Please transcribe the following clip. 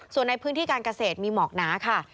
ส่วนในพื้นที่การเกษตรมีหมอกหนาค่ะ